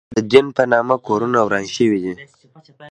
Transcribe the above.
ولې د دین په نامه کورونه وران شوي دي؟